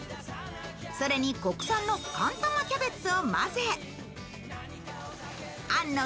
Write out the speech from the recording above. それに国産の寒玉キャベツを混ぜあんの